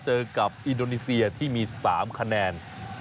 เจอกับอินโดนีเซียที่มี๓คะแนน